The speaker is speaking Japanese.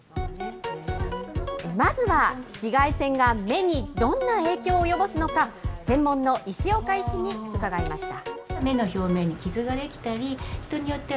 まずは、紫外線が目にどんな影響を及ぼすのか、専門の石岡医師に伺いました。